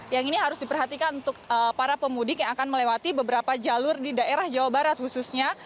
yang ini harus diperhatikan untuk para pemudik yang akan melewati beberapa jalur di daerah jawa barat khususnya